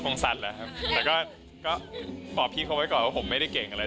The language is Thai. อ๋อคงสัดแล้วครับแต่ก็ก็บอกพี่เขาไว้ก่อนว่าผมไม่ได้เก่งอะไร